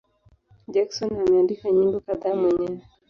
Jackson ameandika nyimbo kadhaa mwenyewe.